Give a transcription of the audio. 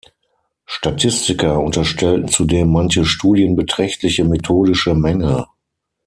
Statistiker unterstellten zudem manchen Studien beträchtliche methodische Mängel.